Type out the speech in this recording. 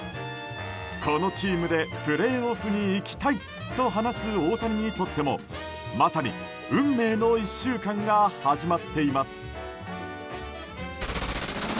このチームでプレーオフに行きたいと話す大谷にとっても、まさに運命の１週間が始まっています。